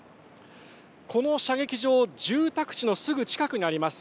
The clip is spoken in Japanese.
この射撃場、住宅地のすぐ近くにあります。